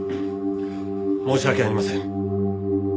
申し訳ありません。